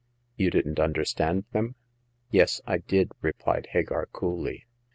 " You didn't understand them ?" "Yes I did," replied Hagar, coolly.